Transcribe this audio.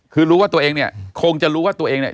คือรู้ว่าตัวเองเนี่ยคงจะรู้ว่าตัวเองเนี่ย